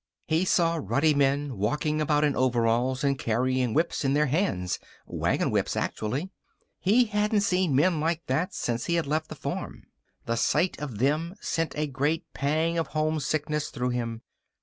He saw ruddy men walking about in overalls and carrying whips in their hands wagon whips, actually. He hadn't seen men like that since he had left the farm. The sight of them sent a great pang of homesickness through him.